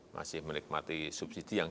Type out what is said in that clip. masih menikmati subsidi yang